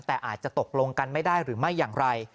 แต่อาจจะตกลงกันไม่ได้หรือไม่อย่างไร